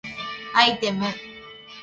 アイテム